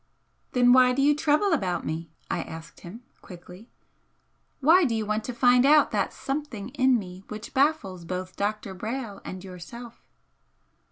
"Then why do you trouble about me?" I asked him, quickly "Why do you want to find out that something in me which baffles both Dr. Brayle and yourself?"